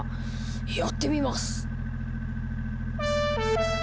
やってみます。